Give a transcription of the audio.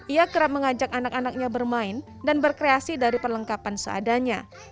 ia kerap mengajak anak anaknya bermain dan berkreasi dari perlengkapan seadanya